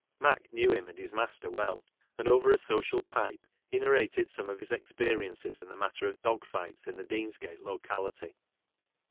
Mac knew him and his master well, and over a social pipe he narrated some of his experiences in the matter of dog fights in the Deans gate locality.